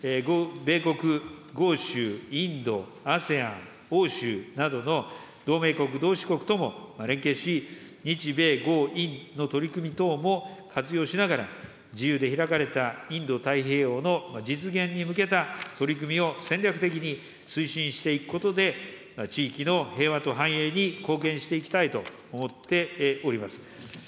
米国、豪州、インド、ＡＳＥＡＮ、欧州などの同盟国・同志国とも連携し、日米豪印の取り組み等も活用しながら、自由で開かれたインド太平洋の実現に向けた取り組みを戦略的に推進していくことで、地域の平和と繁栄に貢献していきたいと思っております。